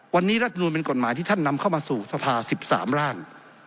วันนี้รัฐมนุนเป็นกฎหมายที่ท่านนำเข้ามาสู่สภา๑๓ร่าง